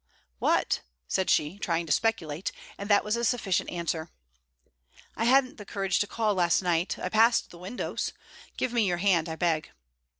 'What?' said she, trying to speculate; and that was a sufficient answer. 'I hadn't the courage to call last night; I passed the windows. Give me your hand, I beg.'